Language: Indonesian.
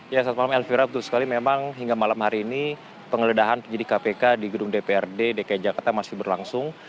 ya saat malam elvira betul sekali memang hingga malam hari ini penggeledahan penyidik kpk di gedung dprd dki jakarta masih berlangsung